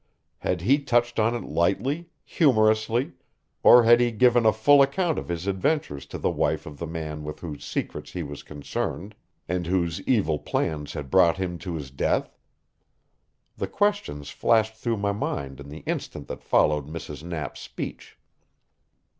Had he touched on it lightly, humorously, or had he given a full account of his adventures to the wife of the man with whose secrets he was concerned, and whose evil plans had brought him to his death? The questions flashed through my mind in the instant that followed Mrs. Knapp's speech.